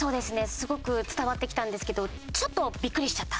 すごく伝わってきたんですけどちょっとビックリしちゃった！